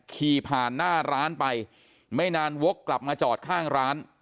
ขี่ผ่านหน้าร้านไปไม่นานวกกลับมาจอดข้างร้าน